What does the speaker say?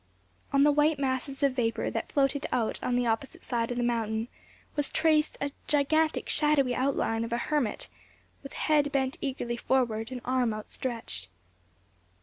On the white masses of vapour that floated on the opposite side of the mountain was traced a gigantic shadowy outline of a hermit, with head bent eagerly forward, and arm outstretched.